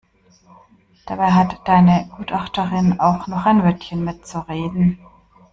Dabei hat deine Gutachterin auch noch ein Wörtchen mitzureden.